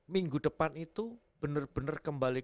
minggu depan itu benar benar kembali